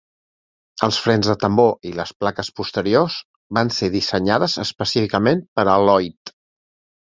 Els frens de tambor i les plaques posteriors van ser dissenyades específicament per a Loyd.